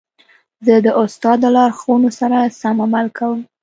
زه د استاد د لارښوونو سره سم عمل کوم.